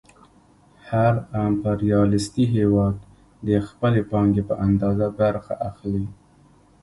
هر امپریالیستي هېواد د خپلې پانګې په اندازه برخه اخلي